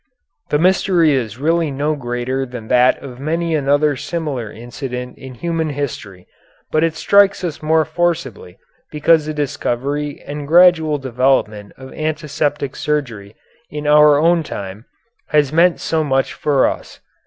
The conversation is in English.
The mystery is really no greater than that of many another similar incident in human history, but it strikes us more forcibly because the discovery and gradual development of antiseptic surgery in our own time has meant so much for us.